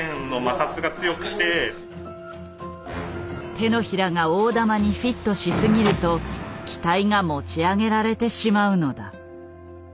手のひらが大玉にフィットしすぎると機体が持ち上げられてしまうのだ。